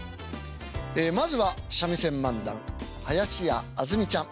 ええまずは三味線漫談林家あずみちゃん。